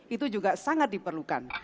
itu juga sangat diperlukan